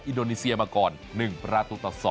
อินโดนีเซียมาก่อน๑ประตูต่อ๒